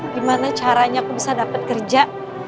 gimana caranya aku bisa dapat kerja